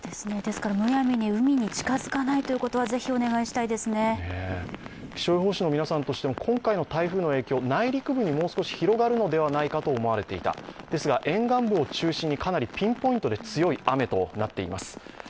むやみに海に近づかないということは気象予報士の皆さんとしても今回の台風の影響、内陸部にもう少し広がるものだと思われていたですが、沿岸部を中心にかなりピンポイントで強い雨となっています。